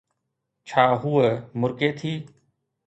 ڇا ھوءَ مُرڪي ٿي؟